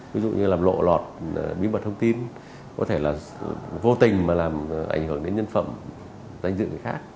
ví dụ như là lộ lọt bí mật thông tin có thể là vô tình mà làm ảnh hưởng đến nhân phẩm danh dự người khác